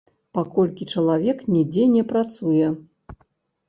Паколькі чалавек нідзе не працуе.